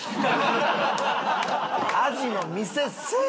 アジの店せえ！